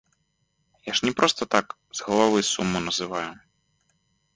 Я ж не проста так з галавы суму называю.